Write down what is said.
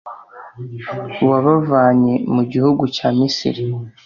wabavanye mu gihugu cya misiri